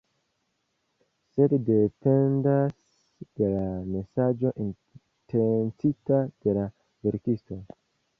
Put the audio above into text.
Sed dependas de la mesaĝo intencita de la verkisto.